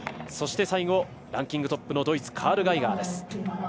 そして、最後ランキングトップのドイツ、カール・ガイガーです。